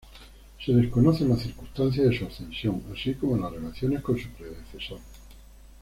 Se desconocen las circunstancias de su ascensión, así como las relaciones con su predecesor.